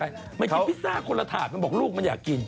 อ่านมากินพิซซ่าคับคนละถาดเขาบอกลูกมันอยากกิน